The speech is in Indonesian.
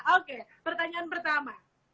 oke pertanyaan pertama